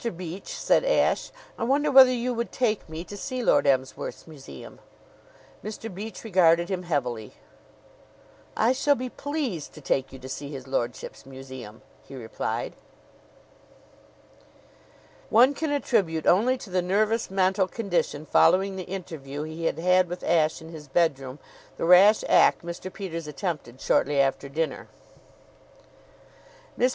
Beach," said Ashe, "I wonder whether you would take me to see Lord Emsworth's museum?" Mr. Beach regarded him heavily. "I shall be pleased to take you to see his lordship's museum," he replied. One can attribute only to the nervous mental condition following the interview he had had with Ashe in his bedroom the rash act Mr. Peters attempted shortly after dinner. Mr.